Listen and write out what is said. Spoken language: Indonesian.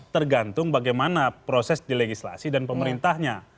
tergantung bagaimana proses di legislasi dan pemerintahnya